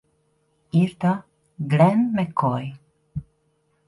Írta Glen McCoy.